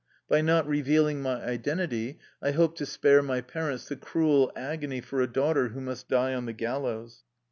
By not revealing my identity I hoped to spare my parents the cruel agony for a daughter who must die on the gal lows.